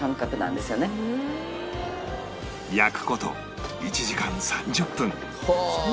焼く事１時間３０分はあ！